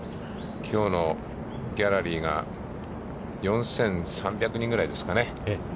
きょうのギャラリーが４３００人ぐらいですかね。